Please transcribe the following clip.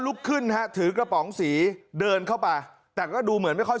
ลุกขึ้นฮะถือกระป๋องสีเดินเข้าไปแต่ก็ดูเหมือนไม่ค่อย